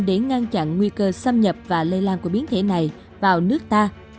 để ngăn chặn nguy cơ xâm nhập và lây lan của biến thể này vào nước ta